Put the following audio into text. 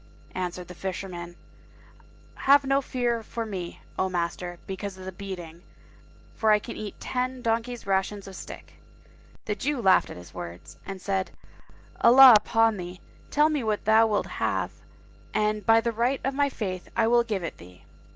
Answered the Fisherman, "Have no fear for me, O master, because of the beating; for I can eat ten donkeys' rations of stick." The Jew laughed at his words and said, "Allah upon thee, tell me what thou wilt have and by the right of my Faith, I will give it thee!"